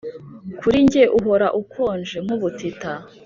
Kuri njye uhora ukonje nkubutita